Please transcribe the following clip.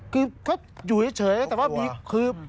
คือเขาอยู่เฉยแต่ว่ามีคือ